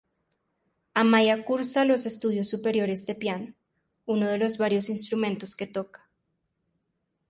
Amaia cursa los estudios superiores de piano, uno de los varios instrumentos que toca.